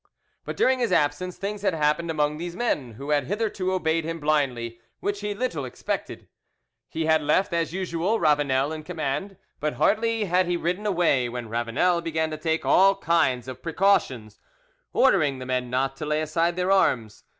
But during his absence things had happened among these men, who had hitherto obeyed him blindly, which he little expected. He had left, as usual, Ravanel in command; but hardly had he ridden away when Ravanel began to take all kinds of precautions, ordering the men not to lay aside their arms.